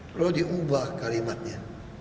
perlu diubah kalimatnya